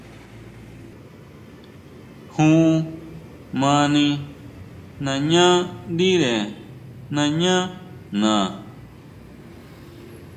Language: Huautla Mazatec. Jun mani nañá ndire nañá na.